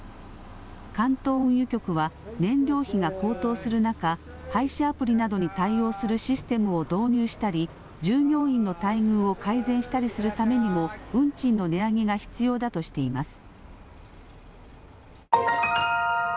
関東運輸局は燃料費が高騰する中、配車アプリなどに対応するシステムを導入したり従業員の待遇を改善したりするためにも運賃の値上げが必要だとしています。